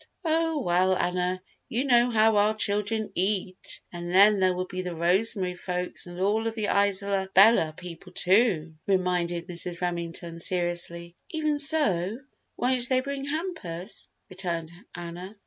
"Oh, well, Anna, you know how our children eat and then there will be the Rosemary folks and all of the Isola Bella people, too!" reminded Mrs. Remington, seriously. "Even so, won't they bring hampers?" returned Anna.